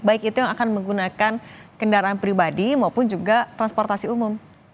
baik itu yang akan menggunakan kendaraan pribadi maupun juga transportasi umum